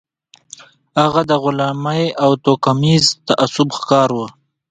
هغه د غلامۍ او توکميز تعصب ښکار و.